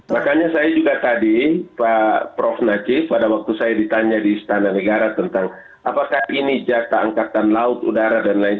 makanya saya juga tadi pak prof najib pada waktu saya ditanya di istana negara tentang apakah ini jata angkatan laut udara dan lain